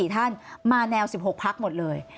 ๔ท่านมาแนว๑๖พักหมดเลย